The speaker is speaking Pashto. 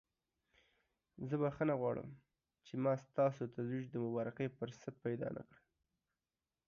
زه بخښنه غواړم چې ما ستاسو د ترویج د مبارکۍ فرصت ترلاسه نکړ.